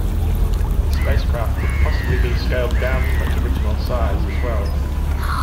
The spacecraft would possibly be scaled down from its original size as well.